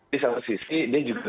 di satu sisi dia juga